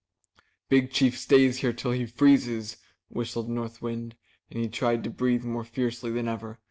"Big Chief stay here till he freezes," whistled North Wind, and he tried to breathe more fiercely than ever.